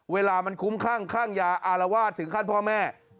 เวลามันคุ้มคลั่งคลั่งยาอารวาสถึงขั้นพ่อแม่